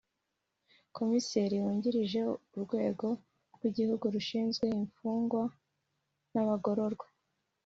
Komiseri Wungirije w’Urwego rw’Igihugu rushinzwe Imfungwa n’Abagororwa